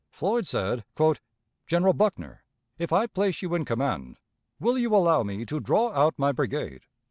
Floyd said, "General Buckner, if I place you in command, will you allow me to draw out my brigade?"